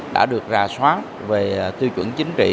đã được ra soát về tiêu chuẩn chính trị